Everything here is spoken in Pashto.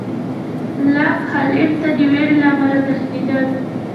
لاک هالېنډ ته د وېرې له امله تښتېد.